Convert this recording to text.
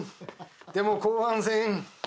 でも後半戦。